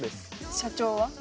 社長は？